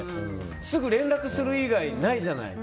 すぐ連絡する以外ないじゃない。